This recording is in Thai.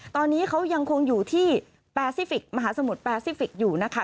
ตอนนี้เขายังคงอยู่ที่แปซิฟิกมหาสมุทรแปซิฟิกส์อยู่นะคะ